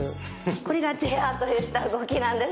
これがチェアーという動きなんです。